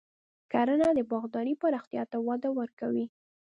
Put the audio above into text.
کرنه د باغدارۍ پراختیا ته وده ورکوي.